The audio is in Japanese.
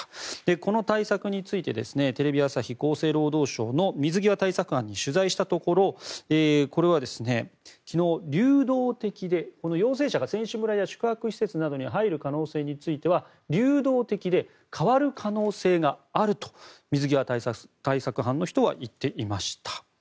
この対策についてテレビ朝日厚生労働省の水際対策班に取材したところこれは昨日、流動的で陽性者が選手村や宿泊施設などに入る可能性については流動的で、変わる可能性があると水際対策班の人は言っていました。